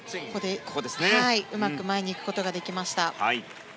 うまく前に行くことができました。